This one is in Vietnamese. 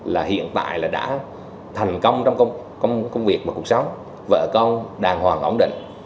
là hiện tại là đã thành công trong công việc và cuộc sống vợ con đàng hoàng ổn định